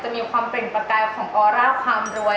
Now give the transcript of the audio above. มีความเปล่งประกายของออร่าความรวย